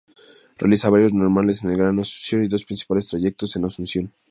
Realiza varios ramales en el Gran Asunción, y dos principales trayectos en Asunción.